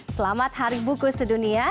selamat hari bukit sedunia